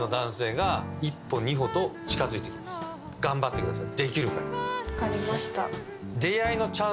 頑張ってください。